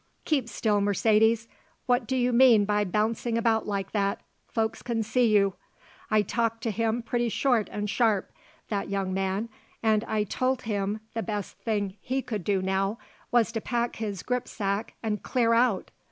Keep still, Mercedes what do you mean by bouncing about like that folks can see you. I talked to him pretty short and sharp, that young man, and I told him the best thing he could do now was to pack his grip sack and clear out.